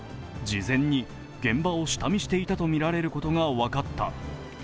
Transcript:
事前に現場を下見していたとみられることが分かった。